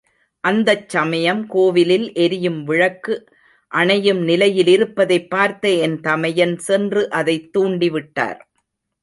அந்தச் சமயம், கோவிலில் எரியும் விளக்கு அணையும் நிலையிலிருப்பதைப் பார்த்த என் தமையன், சென்று அதைத் தூண்டிவிட்டார்.